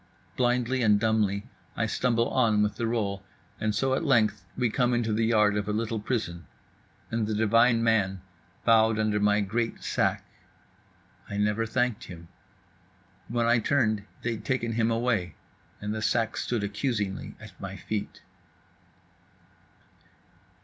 Blindly and dumbly I stumble on with the roll; and so at length we come into the yard of a little prison; and the divine man bowed under my great sack…. I never thanked him. When I turned, they'd taken him away, and the sack stood accusingly at my feet.